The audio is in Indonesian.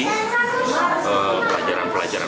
kita akan mengisi pelajaran pelajaran